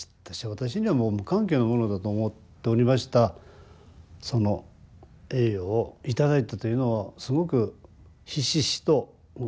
私にはもう無関係のものだと思っておりましたその栄誉を頂いたというのはすごくひしひしと重く受け止めましてね。